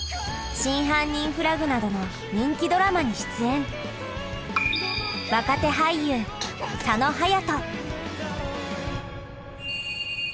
『真犯人フラグ』などの人気ドラマに出演若手俳優いや。